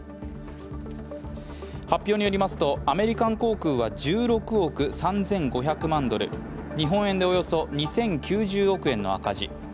発表によりますと、アメリカン航空は１６億３５００万ドル日本円でおよそ２０９０億円の赤字。